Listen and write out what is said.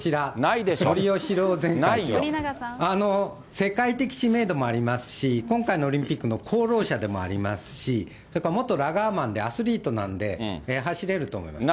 世界的知名度もありますし、今回のオリンピックの功労者でもありますし、それから元ラガーマンで、アスリートなんで、走れると思います。